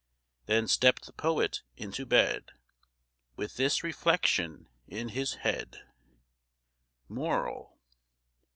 Then stepp'd the poet into bed With this reflection in his head: MORAL.